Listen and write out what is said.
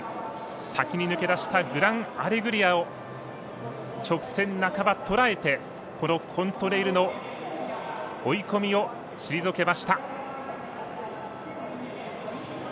先に抜け出したグランアレグリアを直線半ば捉えてコントレイルの追い込みを退けました。